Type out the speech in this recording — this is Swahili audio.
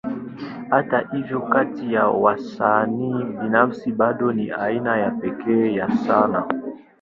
Hata hivyo, kati ya wasanii binafsi, bado ni aina ya pekee ya sanaa.